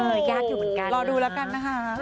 เออยากอยู่เหมือนกันนะ